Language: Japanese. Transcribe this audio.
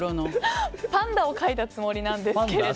パンダを描いたつもりなんですけれども。